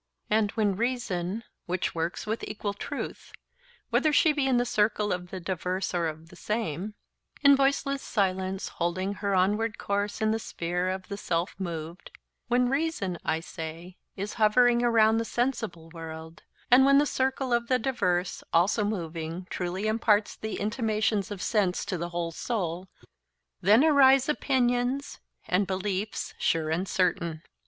And when reason, which works with equal truth, whether she be in the circle of the diverse or of the same,—in voiceless silence holding her onward course in the sphere of the self moved,—when reason, I say, is hovering around the sensible world, and when the circle of the diverse also moving truly imparts the intimations of sense to the whole soul, then arise opinions and beliefs sure and certain.